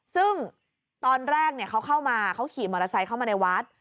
ซึ่งตอนแรกเขาเข้ามาเขาขี่มอเตอร์ไซค์เข้ามาในวัด